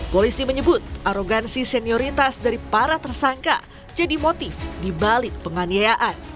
polisi menyebut arogansi senioritas dari para tersangka jadi motif dibalik penganiayaan